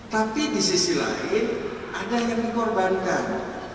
tapi di sisi lain ada yang dikorbankan